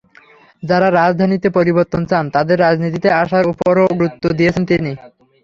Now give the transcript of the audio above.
যাঁরা রাজনীতিতে পরিবর্তন চান, তাঁদের রাজনীতিতে আসার ওপরও গুরুত্ব দিয়েছেন তিনি।